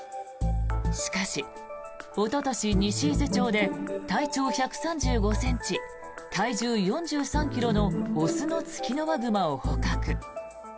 しかし、おととし西伊豆町で体長１３５ｃｍ体重４３ｋｇの雄のツキノワグマを捕獲。